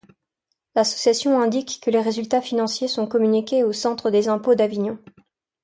L'association indique que les résultats financiers sont communiqués au centre des impôts d'Avignon.